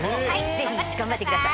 ぜひ頑張ってください。